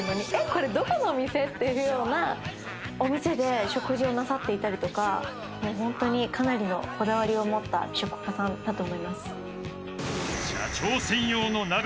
これどこのお店？っていうようなお店で食事をなさっていたりとかホントにかなりのこだわりを持った美食家さんだと思います。